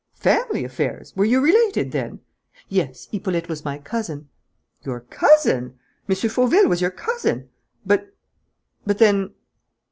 "Family affairs! Were you related, then?" "Yes. Hippolyte was my cousin." "Your cousin! M. Fauville was your cousin! But ... but then